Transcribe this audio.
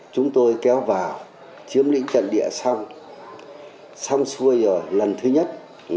chúng tôi kéo vào chiếm lĩnh trận địa xong xong xuôi rồi lần thứ nhất